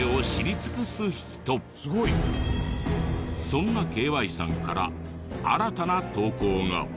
そんなＫ．Ｙ．さんから新たな投稿が。